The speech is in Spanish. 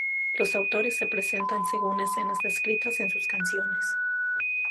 Los autores se representan según escenas descritas en sus canciones.